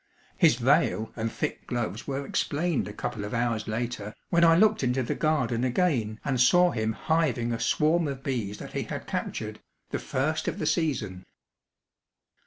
His veil and thick gloves were explained a couple of hours later, when I looked into the garden again and saw him hiving a swarm of bees that he had captured, the first of the season.